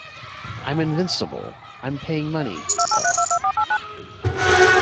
I'm invincible, I'm paying money... uh...